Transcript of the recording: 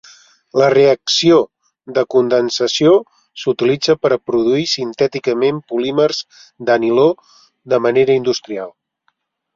La reacció de condensació s'utilitza per produir sintèticament polímers de niló de manera industrial.